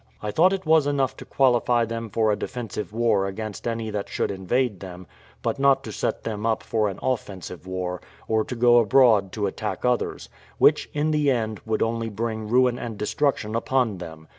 I thought it was enough to qualify them for a defensive war against any that should invade them, but not to set them up for an offensive war, or to go abroad to attack others; which, in the end, would only bring ruin and destruction upon them.